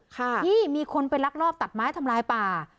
ที่มีคนไปลักลอบตัดไม้ทำลายป่า